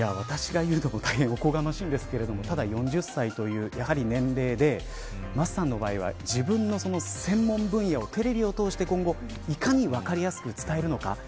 私が言うのも大変おこがましいんですけれどもただ、４０歳という年齢で桝さんの場合は自分の専門分野をテレビを通して今後いかに分かりやすく伝えるのか。